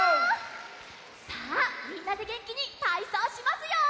さあみんなでげんきにたいそうしますよ！